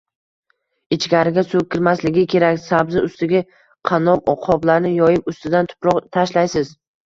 Ichkariga suv kirmasligi kerak. Sabzi ustiga kanop qoplarni yoyib, ustidan tuproq tashlaysiz.